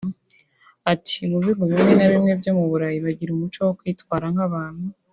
Ati” Mu bihugu bimwe na bimwe byo mu Burayi bagira umuco wo kwitwara nk’abantu